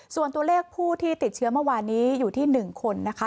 ส่วนตัวเลขผู้ที่ติดเชื้อเมื่อวานนี้อยู่ที่๑คนนะคะ